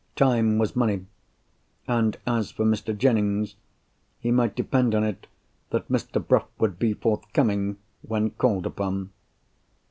Time was money—and, as for Mr. Jennings, he might depend on it that Mr. Bruff would be forthcoming when called upon."